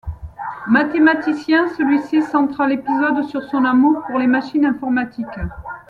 Mathématicien, celui-ci centra l'épisode sur son amour pour les machines informatiques.